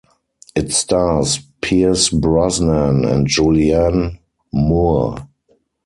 It stars Pierce Brosnan and Julianne Moore.